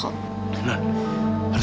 aku juga udah biasa kok